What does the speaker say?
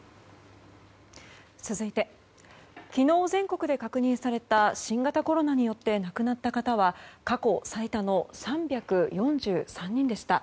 続いて昨日、全国で確認された新型コロナによって亡くなった方は過去最多の３４３人でした。